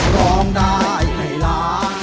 ร้องได้ให้ล้าน